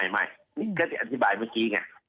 ไม่ก็จะอธิบายเมื่อกี้ไง